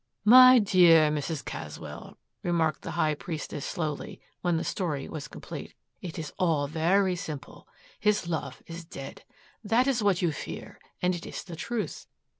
"My dear Mrs. Caswell," remarked the high priestess slowly, when the story was complete, "it is all very simple. His love is dead. That is what you fear and it is the truth.